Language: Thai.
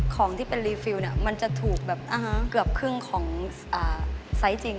ของที่เป็นรีฟิลมันจะถูกแบบเกือบครึ่งของไซส์จริง